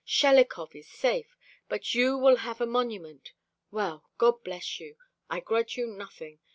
Shelikov is safe; but you will have a monument. Well, God bless you. I grudge you nothing.